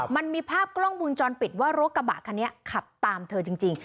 มันมีภาพกล้องวงจรปิดว่ารถกระบะคันนี้ขับตามเธอจริง